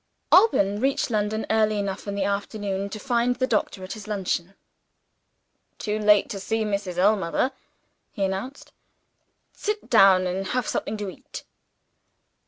Alban reached London early enough in the afternoon to find the doctor at his luncheon. "Too late to see Mrs. Ellmother," he announced. "Sit down and have something to eat."